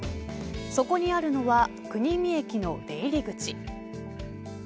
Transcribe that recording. そこにあるのは国見駅の出入り口。